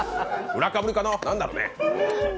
裏かぶりかな、何だろうね。